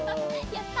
やった！